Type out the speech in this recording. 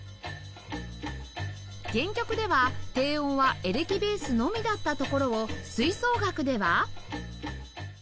原曲では低音はエレキベースのみだったところを吹奏楽では